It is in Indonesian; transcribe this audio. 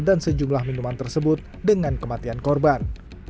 dan sejumlah minuman tersebut dengan kematian korban